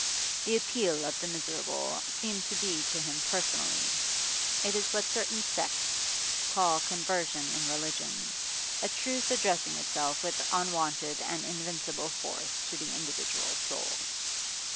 The appeal of the miserable seemed to be to him personally. It is what certain sects call conversion in religion, a truth addressing itself with unwonted and invincible force to the individual soul.